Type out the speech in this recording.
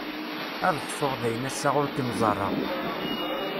Ad ḥṣuɣ dayen assa ur kem-ẓerreɣ.